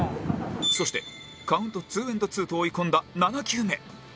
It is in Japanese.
そしてカウントツーアンドツーと追い込んだ７球目